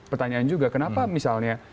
pertanyaan juga kenapa misalnya